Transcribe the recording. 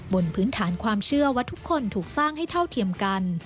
บนพื้นฐานความเชื่อว่าทุกคนถูกสร้างให้เท่าเทียมกัน